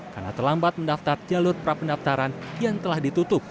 karena terlambat mendaftar jalur prapendaftaran yang telah ditutup